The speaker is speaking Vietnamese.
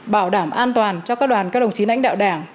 bảo đảm an toàn cho các đoàn các đồng chí lãnh đạo đảng